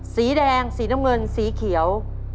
สีแดงสีน้ำเงินสีเขียว